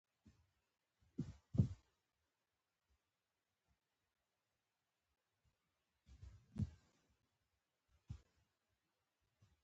که چیري سپين ژیرتوب ته ورسېدم